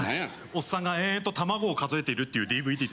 おっさんが延々と卵を数えているっていうＤＶＤです。